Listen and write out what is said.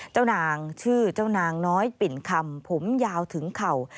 เจ้านางชื่อเจ้านางน้อยปิ่นคำผมยาวถึงเข่า